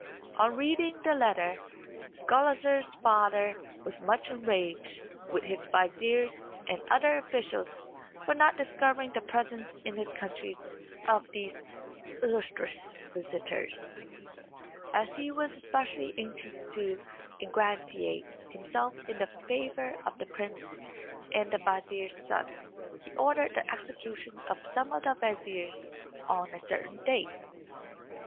On reading the letter Gulizar's father was much enraged with his viziers and other officials for not discovering the presence in his country of these illustrious visitors, as he was especially anxious to ingratiate himself in the favour of the prince and the vizier's son. He ordered the execution of some of the viziers on a certain date.